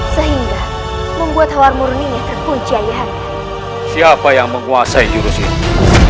sehingga membuat warungnya terpunca yang siapa yang menguasai jurus itu